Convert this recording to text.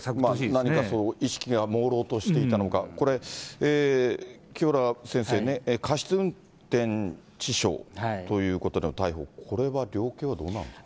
何か意識がもうろうとしていたのか、これ、清原先生、過失運転致傷ということで逮捕、これは量刑はどうなるんですか。